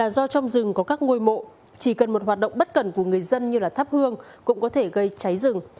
do trong rừng có các ngôi mộ chỉ cần một hoạt động bất cần của người dân như thắp hương cũng có thể gây cháy rừng